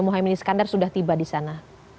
muhyemini skander sudah tiba disana